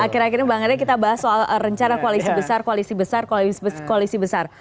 akhir akhir ini bang andre kita bahas soal rencana koalisi besar koalisi besar koalisi besar